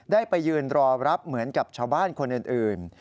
ไปยืนรอรับเหมือนกับชาวบ้านคนอื่น